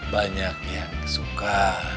banyak yang suka